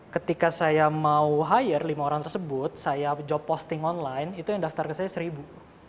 ketika saya mau hire lima orang tersebut saya job posting online itu yang daftar ke saya seribu